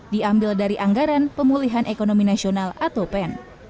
diambil dari anggaran pemulihan ekonomi nasional atau pen